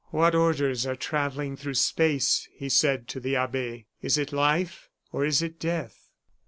"What orders are travelling through space?" he said to the abbe; "is it life or is it death?"